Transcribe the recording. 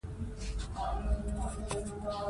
په نړيوالو حقوقو کې مسلمان عالم حسن الشيباني زيات کار